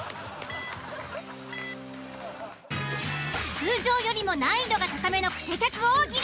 通常よりも難易度が高めのクセ客大喜利。